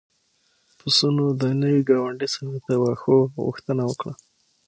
پسونو د نوي ګاونډي څخه د واښو غوښتنه وکړه.